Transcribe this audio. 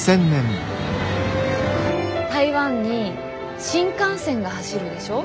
台湾に新幹線が走るでしょ。